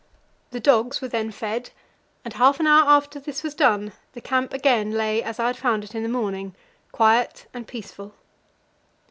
The dogs were then fed, and half an hour after this was done the camp again lay as I had found it in the morning, quiet and peaceful.